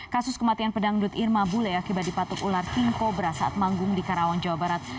kasus kematian pedangdut irma bule akibat dipatuk ular king cobra saat manggung di karawang jawa barat